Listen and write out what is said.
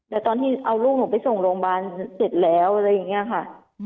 แต่ตอนที่เอาลูกหนูไปส่งโรงพยาบาลเสร็จแล้วอะไรอย่างนี้ค่ะ